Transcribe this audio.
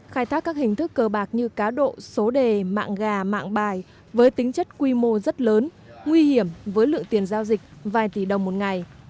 khai thác các hình thức cơ bạc như cá độ số đề mạng gà mạng bài với tính chất quy mô rất lớn nguy hiểm với lượng tiền giao dịch vài tỷ đồng một ngày